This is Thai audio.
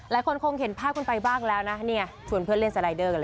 และคนต้องเห็นภาพคุณไปบ้างนะโชวนเพื่อนเล่นสไลเดอร์กันเลย